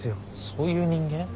そういう人間？